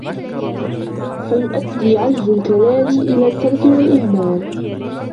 فَيُؤَدِّي عَجْزُ الْكَلَالِ إلَى التَّرْكِ وَالْإِهْمَالِ